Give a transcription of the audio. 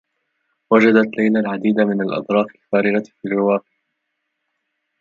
وجدت ليلى العديد من الأظراف الفارغة في الرّواق.